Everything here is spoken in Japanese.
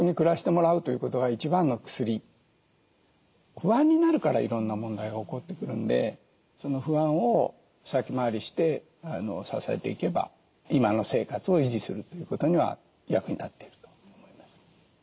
不安になるからいろんな問題が起こってくるんでその不安を先回りして支えていけば今の生活を維持するということには役に立っていると思います。